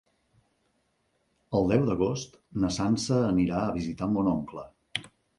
El deu d'agost na Sança anirà a visitar mon oncle.